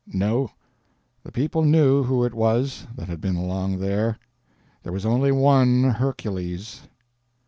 No—the people knew who it was that had been along there: there was only one Hercules.